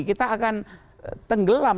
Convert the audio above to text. kita akan tenggelam